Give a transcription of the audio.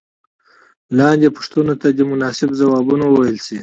لاندې پوښتنو ته دې مناسب ځوابونه وویل شي.